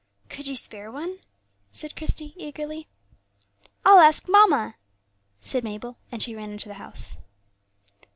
"Could you spare one?" said Christie, eagerly. "I'll ask mamma," said Mabel, and she ran into the house.